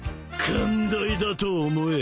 寛大だと思え！